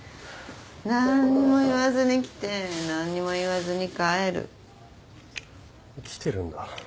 何にも言わずに来て何にも言わずに帰る。来てるんだ。